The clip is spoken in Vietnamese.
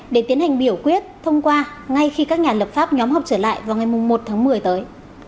để tiến hành biểu quyết thông qua ngay khi các nhà lập pháp nhóm họp trở lại vào ngày một tháng một mươi tới